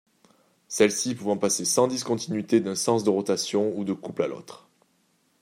Celle-ci pouvant passer sans discontinuité d'un sens de rotation ou de couple à l'autre.